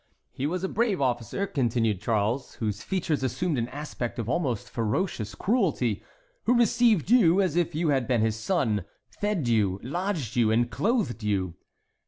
"He was a brave officer," continued Charles, whose features assumed an aspect of almost ferocious cruelty, "who received you as if you had been his son; fed you, lodged you, and clothed you."